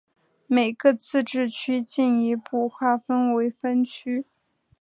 每个自治区进一步划分为分区。